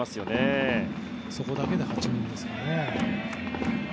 そこだけで８人ですからね。